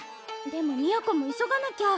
でも美弥子も急がなきゃ。